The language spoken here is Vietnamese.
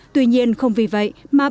tuy nhiên không vì vậy mà báo chí trinh thống